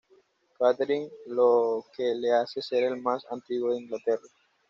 Catherine, lo que le hace ser el más antiguo de Inglaterra.